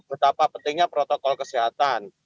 betapa pentingnya protokol kesehatan